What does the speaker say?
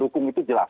dukung itu jelas ya